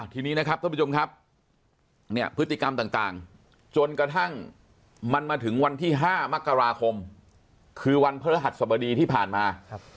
ทีนี้นะครับท่านผู้ชมครับเนี่ยพฤติกรรมต่างจนกระทั่งมันมาถึงวันที่๕มกราคมคือวันพฤหัสสบดีที่ผ่านมา